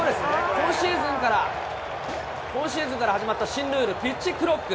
今シーズンから、今シーズンから始まった新ルール、ピッチクロック。